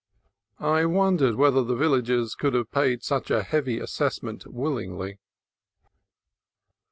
I wondered whether the villagers could have paid such a heavy assessment willingly.